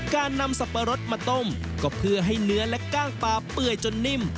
การนำสับปะรดมาต้มก็เพื่อให้เนื้อและกล้างปลาเปื่อยจนนิ่ม